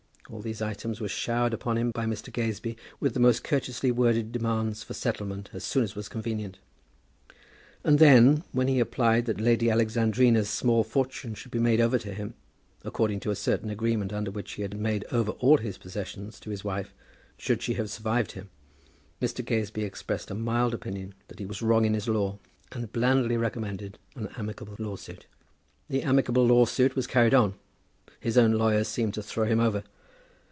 All these items were showered upon him by Mr. Gazebee with the most courteously worded demands for settlement as soon as convenient. And then, when he applied that Lady Alexandrina's small fortune should be made over to him, according to a certain agreement under which he had made over all his possessions to his wife, should she have survived him, Mr. Gazebee expressed a mild opinion that he was wrong in his law, and blandly recommended an amicable lawsuit. The amicable lawsuit was carried on. His own lawyer seemed to throw him over.